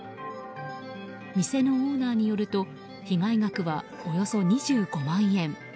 店のオーナーによると被害額はおよそ２５万円。